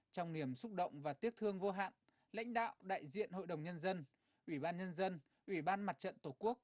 trong niềm xúc động và tiếc thương vô hạn lãnh đạo đại diện hội đồng nhân dân ủy ban nhân dân ủy ban mặt trận tổ quốc